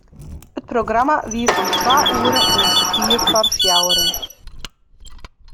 It programma wie fan twa oere oant kertier foar fjouweren.